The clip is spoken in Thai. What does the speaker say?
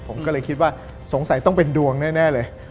ผมก็เลยคิดว่าสงสัยต้องเป็นดวงแน่เลย